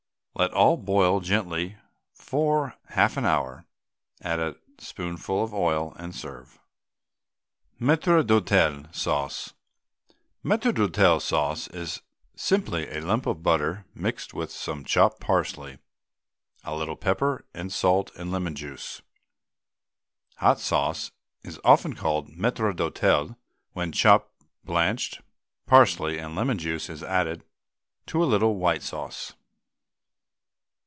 Let all boil gently for half an hour, add a spoonful of oil, and serve. MAITRE D'HOTEL SAUCE. Maitre d'hotel sauce is simply a lump of butter mixed with some chopped parsley, a little pepper and salt, and lemon juice. Hot sauce is often called Maitre d'hotel when chopped blanched parsley and lemon juice is added to a little white sauce.